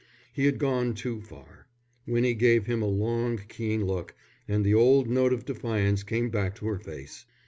He had gone too far. Winnie gave him a long, keen look, and the old note of defiance came back to her face.